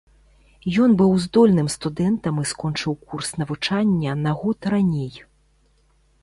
Ён быў здольным студэнтам і скончыў курс навучання на год раней.